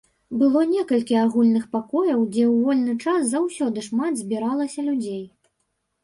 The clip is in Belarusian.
Было некалькі агульных пакояў, дзе ў вольны час заўсёды шмат збіралася людзей.